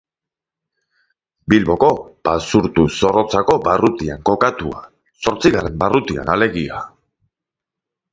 Bilboko Basurtu-Zorrotzako barrutian kokatua, zortzigarren barrutian alegia.